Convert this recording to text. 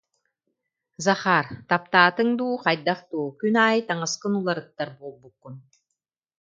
Захар, таптаатыҥ дуу, хайдах дуу, күн аайы таҥаскын уларыттар буолбуккун